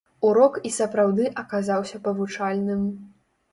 Урок і сапраўды аказаўся павучальным.